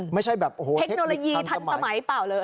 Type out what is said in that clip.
ไม่ใช่แบบโอ้โหเทคโนโลยีทันสมัยเปล่าเลย